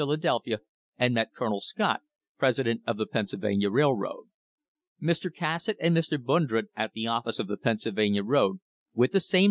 ladelph.a and met Co on Scot, president of the Pennsylvania Railroad, Mr. Cassatt, and Mr. Brundr le offic of the Pennsylvania road, with the same